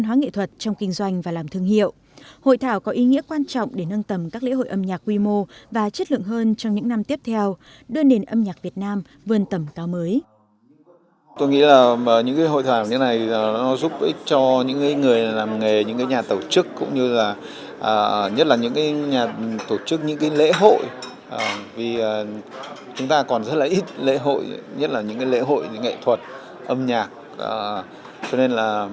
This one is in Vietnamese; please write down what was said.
hội thảo có ý nghĩa quan trọng để nâng tầm các lễ hội âm nhạc quy mô và chất lượng hơn trong những năm tiếp theo đưa nền âm nhạc việt nam vươn tầm cao mới